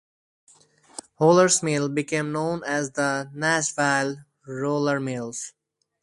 Holler's mill became known as the Nashville Roller Mills.